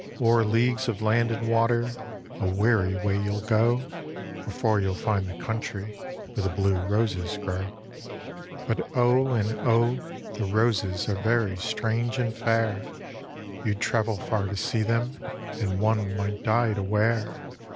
O'er league! of land and water a weary way you'll go Before you'll find the country where the blue roiet grow. But O, and 0, the roset are very ilrange and fair. You'd travel far to lee them, and one might die to wear.